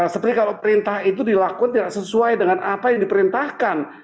seperti kalau perintah itu dilakukan tidak sesuai dengan apa yang diperintahkan